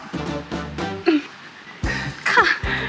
ค่ะ